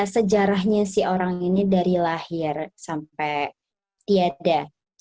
sejarahnya si orang ini dari lahir sampai tiada